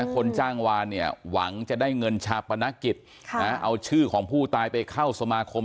คนจ้างวานเนี่ยหวังจะได้เงินชาปนกิจเอาชื่อของผู้ตายไปเข้าสมาคม